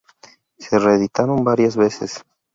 Se reeditaron varias veces.